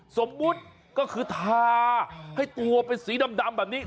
สมมุติก็คือทาให้ตัวเป็นสีดำแบบนี้